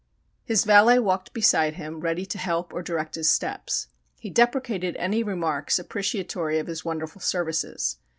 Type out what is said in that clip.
His valet walked beside him ready to help or direct his steps. He deprecated any remarks appreciatory of his wonderful services.